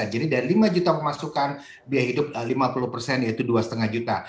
jadi dari lima juta pemasukan biaya hidup lima puluh yaitu dua lima juta